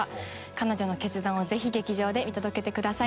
彼女の決断をぜひ劇場で見届けてください。